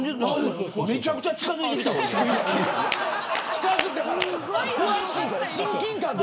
めちゃくちゃ近づいてきたわ。